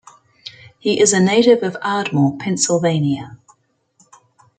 He is a native of Ardmore, Pennsylvania.